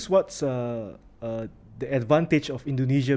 saya rasa ini adalah kelebihan indonesia